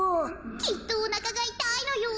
きっとおなかがいたいのよ。